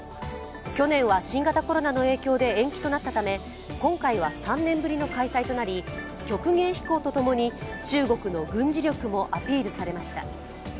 去年は新型コロナの影響で延期となったため今回は３年ぶりの開催となり、曲芸飛行とともに中国の軍事力もアピールされました。